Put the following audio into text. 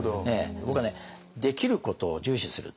僕はねできることを重視する。